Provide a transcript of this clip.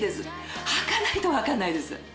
はかないと分かんないです。